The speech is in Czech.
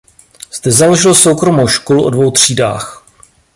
Zde založil soukromou školu o dvou třídách.